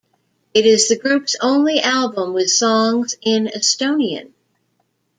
It is the group's only album with songs in Estonian.